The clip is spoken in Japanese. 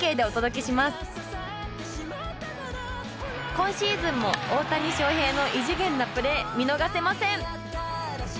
今シーズンも大谷翔平の異次元なプレー見逃せません！